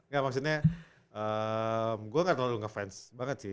gak maksudnya gue gak terlalu ngefans banget sih